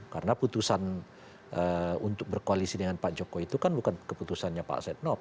karena putusan untuk berkoalisi dengan pak jokowi itu kan bukan keputusannya pak setnop